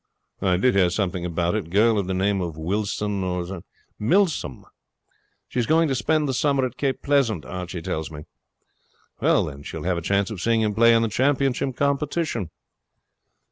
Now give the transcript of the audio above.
'I did hear something about it. Girl of the name of Wilson, or ' 'Milsom. She's going to spend the summer at Cape Pleasant, Archie tells me.' 'Then she'll have a chance of seeing him play in the championship competition.'